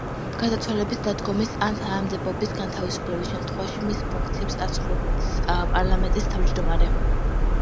გარდაცვალების, გადადგომის ან თანამდებობიდან გათავისუფლების შემთხვევაში მის ფუნქციებს ასრულებს პარლამენტის თავმჯდომარე.